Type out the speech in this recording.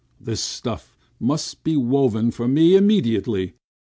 This stuff must be woven for me immediately."